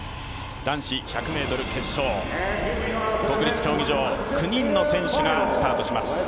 男子１００ｍ決勝、国立競技場、９人の選手がスタートします。